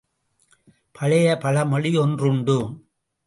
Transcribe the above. பழைய பழமொழி ஒன்றுண்டு!